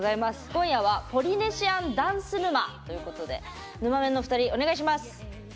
今夜はポリネシアンダンス沼ということでぬまメンの２人、お願いします。